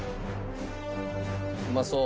うまそう。